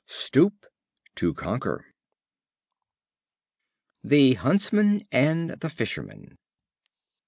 Stoop to conquer. The Huntsman and the Fisherman.